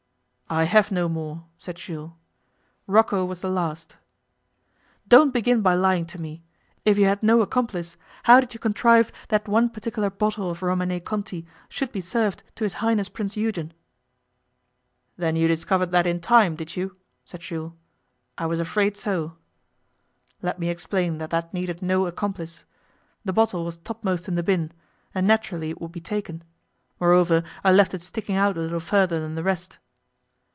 'I have no more,' said Jules. 'Rocco was the last.' 'Don't begin by lying to me. If you had no accomplice, how did you contrive that one particular bottle of Romanée Conti should be served to his Highness Prince Eugen?' 'Then you discovered that in time, did you?' said Jules. 'I was afraid so. Let me explain that that needed no accomplice. The bottle was topmost in the bin, and naturally it would be taken. Moreover, I left it sticking out a little further than the rest.